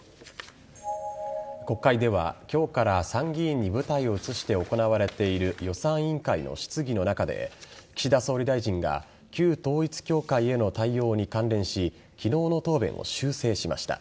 国会では今日から参議院に舞台を移して行われている予算委員会の質疑の中で岸田総理大臣が旧統一教会への対応に関連し昨日の答弁を修正しました。